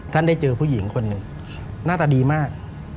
ได้เจอผู้หญิงคนหนึ่งหน้าตาดีมาก